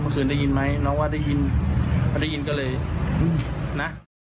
เมื่อคืนได้ยินไหมน้องว่าได้ยินก็เลยนะ